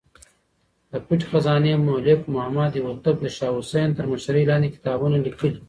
د پټې خزانې مولف محمد هوتک د شاه حسين تر مشرۍ لاندې کتابونه ليکلي.